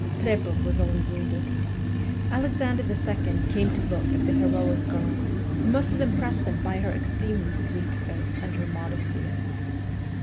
Trepoff was only wounded. Alexander II. came to look at the heroic girl, who must have impressed him by her extremely sweet face and her modesty.